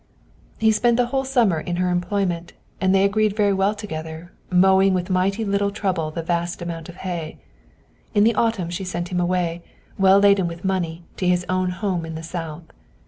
He spent the whole summer in her employment, and they agreed very well together, mowing with mighty little trouble a vast amount of hay. In the autumn she sent him away, well laden with money, to his own home in the south.